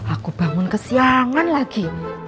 aku bangun kesiangan lagi